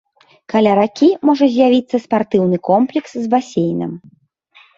Каля ракі можа з'явіцца спартыўны комплекс з басейнам.